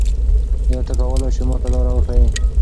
آیا ته کولای سې ما ته لاره وښیې؟